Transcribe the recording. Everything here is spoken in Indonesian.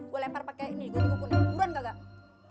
gue lempar pake ini gue tinggal kuning